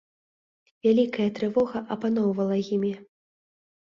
Вялікая трывога апаноўвала імі.